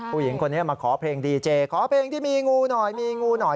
ผู้หญิงคนนี้มาขอเพลงดีเจขอเพลงที่มีงูหน่อยมีงูหน่อย